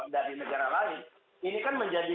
dari negara lain ini kan menjadi